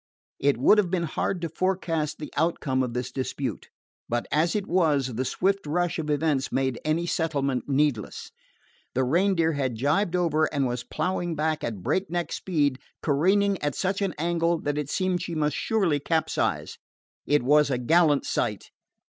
It would have been hard to forecast the outcome of this dispute; but, as it was, the swift rush of events made any settlement needless. The Reindeer had jibed over and was plowing back at breakneck speed, careening at such an angle that it seemed she must surely capsize. It was a gallant sight.